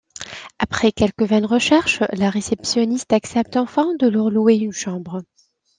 Après quelques vaines recherches, la réceptionniste accepte enfin de leur louer une chambre.